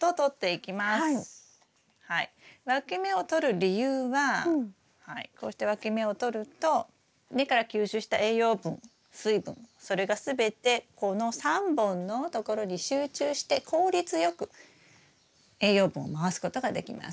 わき芽をとる理由はこうしてわき芽をとると根から吸収した栄養分水分それが全てこの３本のところに集中して効率よく栄養分を回すことができます。